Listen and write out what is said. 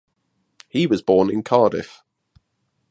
He was born in Cardiff.